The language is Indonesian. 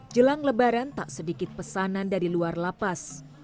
jelang lebaran tak sedikit pesanan dari luar lapas